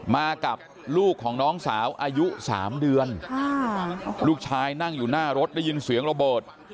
มากับลูกของน้องสาวอายุ๓เดือนลูกชายนั่งอยู่หน้ารถได้ยินเสียงระเบิด